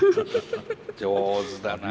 上手だなあ。